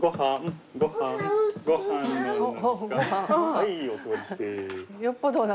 はいお座りして。